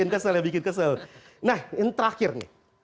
nah ini terakhir nih